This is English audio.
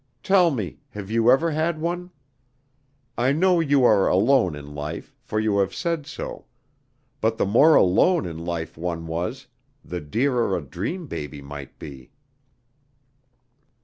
Tell me, have you ever had one? I know you are alone in life, for you have said so. But the more alone in life one was, the dearer a dream baby might be."